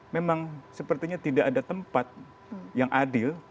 memang sepertinya tidak ada tempat yang adil